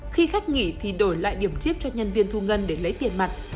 khi khách nghỉ thì đổi lại điểm chip cho nhân viên thu ngân để lấy tiền mặt